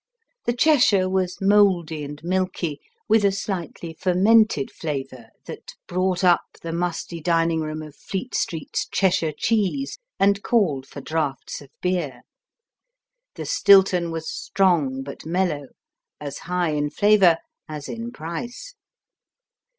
The Cheshire was moldy and milky, with a slightly fermented flavor that brought up the musty dining room of Fleet Street's Cheshire cheese and called for draughts of beer. The Stilton was strong but mellow, as high in flavor as in price.